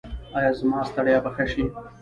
ایا زما ستړیا به ښه شي؟